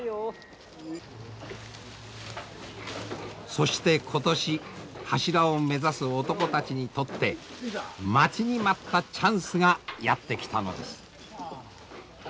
そして今年柱を目指す男たちにとって待ちに待ったチャンスがやって来たのです。